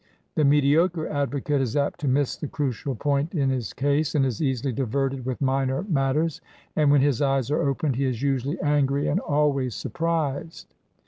The me diocre advocate is apt to miss the crucial point in his case and is easily diverted with minor matters, and when his eyes are opened he is usually angry and always surprised.